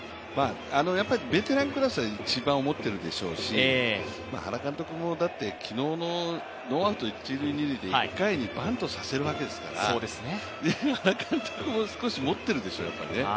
ベテランクラスは一番っているでしょうし、原監督も昨日のノーアウト一・二塁で１回にバントさせるわけですから原監督も少し思っているでしょうね。